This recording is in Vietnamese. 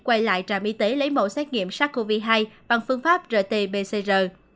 quay lại trạm y tế lấy mẫu xét nghiệm sars cov hai bằng phương pháp rt pcr